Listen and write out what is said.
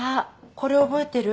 これ覚えてる？